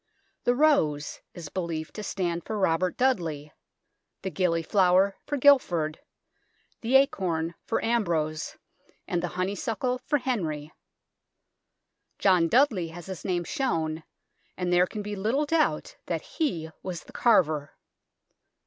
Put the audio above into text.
The rose is believed to stand for Robert Dudley, the gillyflower for Guilford, the acorn for Ambrose, and the honeysuckle for Henry. John Dudley has his name shown, and there can be little doubt that he was the carver.